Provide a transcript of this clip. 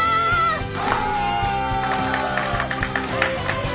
お！